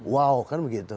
wow kan begitu